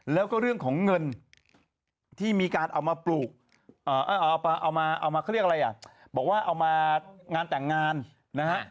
แล้วก็เรื่องของเงินที่มีการเอามาปลูกเอามาเขาเรียกอะไรอ่ะบอกว่าเอามางานแต่งงานนะฮะ